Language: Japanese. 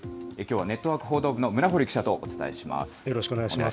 きょうはネットワーク報道部の村堀記者とお伝えします。